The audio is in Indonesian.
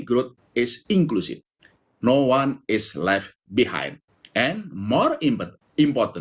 balasan dan inklusif yang kuat berkelanjutan dan berkelanjutan